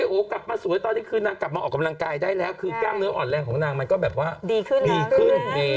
โอ้โหกลับมาสวยตอนนี้คือนางกลับมาออกกำลังกายได้แล้วคือกล้ามเนื้ออ่อนแรงของนางมันก็แบบว่าดีขึ้นดีขึ้น